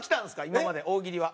今まで大喜利は。